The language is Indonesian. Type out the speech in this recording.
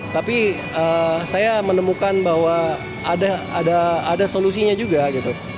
tapi saya menemukan bahwa ada solusinya juga gitu